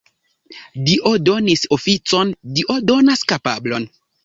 Dio donis oficon, Dio donas kapablon.